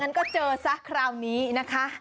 งั้นก็เจอซะคราวนี้นะคะ